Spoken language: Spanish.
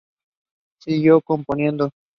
Siguió componiendo.